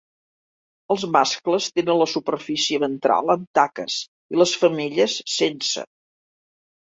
Els mascles tenen la superfície ventral amb taques i les femelles sense.